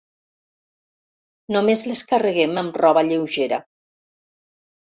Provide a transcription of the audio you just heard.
Només les carreguem amb roba lleugera.